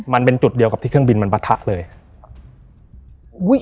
มันเป็นจุดเดียวกับที่เครื่องบินมันปะทะเล